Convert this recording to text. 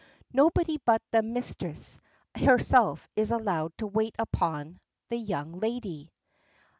Nobody but the "misthress" herself is allowed to wait upon "the young lady."